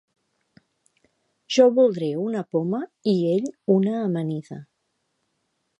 Jo voldré una poma i ell una amanida.